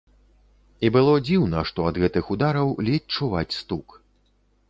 І было дзіўна, што ад гэтых удараў ледзь чуваць стук.